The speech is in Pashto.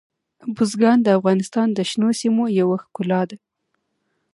بزګان د افغانستان د شنو سیمو یوه ښکلا ده.